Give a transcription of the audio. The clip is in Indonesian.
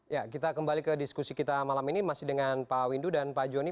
ya kita kembali ke diskusi kita malam ini masih dengan pak windu dan pak joni